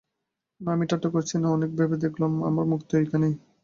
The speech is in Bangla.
না, আমি ঠাট্টা করছি নে, অনেক ভেবে দেখলুম আমার মুক্তি ঐখানেই।